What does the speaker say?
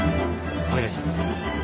お願いします。